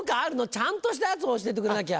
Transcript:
ちゃんとしたやつを教えてくれなきゃ。